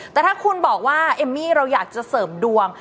แต่ถ้าคุณบอกว่าเอมมี่เราอยากจะเสริมดวง